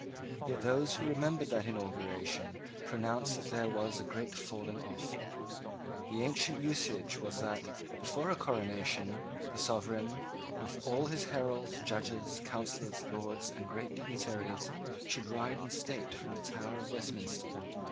Yet those who remembered that inauguration pronounced that there was a great falling off. The ancient usage was that, before a coronation, the sovereign, with all his heralds, judges, councillors, lords, and great dignitaries, should ride in state from the Tower of Westminster.